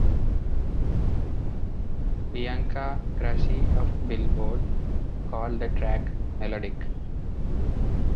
Bianca Gracie of "Billboard" called the track "melodic".